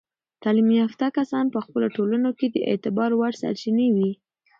تعلیم یافته کسان په خپلو ټولنو کې د اعتبار وړ سرچینې وي.